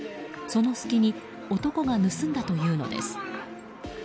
その隙に男が盗んだというのです。